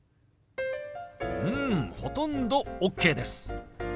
うんほとんどＯＫです。